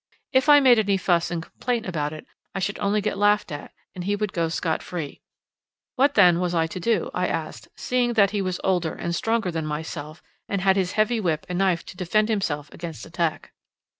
If I made any fuss and complaint about it I should only get laughed at, and he would go scot free. What, then, was I to do? I asked, seeing that he was older and stronger than myself, and had his heavy whip and knife to defend himself against attack.